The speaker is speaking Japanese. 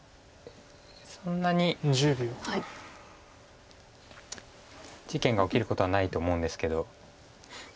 そんなに事件が起きることはないと思うんですけど。